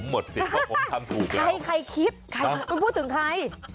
มันพูดถึงใคร